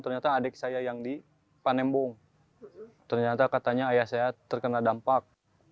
ternyata adik saya yang di panembung ternyata katanya ayah saya terkena dampak